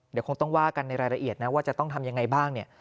เดี๋ยวคงต้องว่ากันในรายละเอียดนะว่าจะต้องทำยังไงบ้างเนี่ย